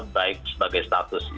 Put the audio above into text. baik sebagai status